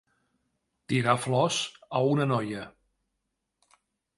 Tirar flors a una noia.